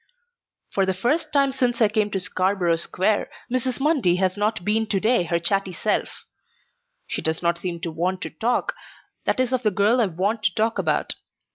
For the first time since I came to Scarborough Square, Mrs. Mundy has not been to day her chatty self. She does not seem to want to talk that is of the girl I want to talk about.